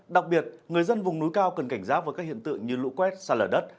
đặc biệt người dân vùng núi cao cần cảnh giác với các hiện tượng như lũ quét xa lở đất